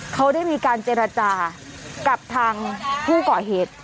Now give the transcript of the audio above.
เขาได้มีการเจรจากับทางผู้ก่อเหตุ